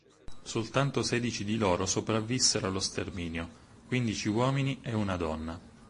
Soltanto sedici di loro sopravvissero allo sterminio, quindici uomini e una donna.